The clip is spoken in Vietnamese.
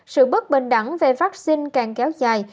sự bất bình đẳng về vaccine càng kéo dài